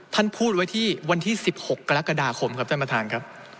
ท่านพูดไว้ที่วันที่๑๖กรกฎาคมครับท่านประธานครับ